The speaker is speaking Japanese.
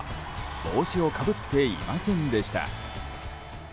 帽子をかぶっていませんでした。